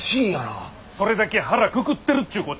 それだけ腹くくってるっちゅうこっちゃ。